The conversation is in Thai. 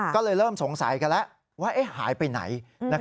ก็เลยเริ่มสงสัยกันแล้วว่าหายไปไหน